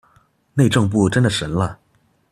內政部真的神了